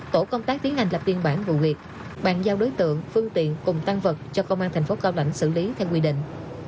tổ công tác tiến hành lập biên bản vụ việc bàn giao đối tượng phương tiện cùng tăng vật cho công an thành phố cao lãnh xử lý theo quy định